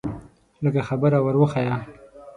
لږه خبره ور وښیه.